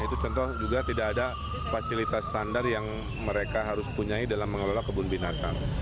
itu contoh juga tidak ada fasilitas standar yang mereka harus punyai dalam mengelola kebun binatang